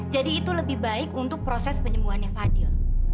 jadi itu lebih baik untuk proses penyembuhannya fadil